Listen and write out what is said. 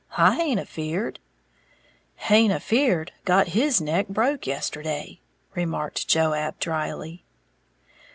I haint afeared!" "Haint afeared got his neck broke yesterday," remarked Joab, drily.